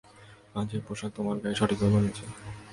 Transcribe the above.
আজ এই পোশাক তোমার গায়ে সঠিকভাবে মানিয়েছে।